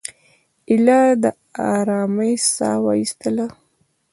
ایله د آرامۍ ساه وایستله.